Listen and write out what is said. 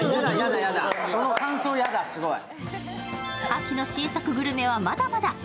秋の新作グルメはまだまだ。